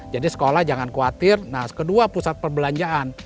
jadi sekolah jangan khawatir nah kedua pusat perbelanjaan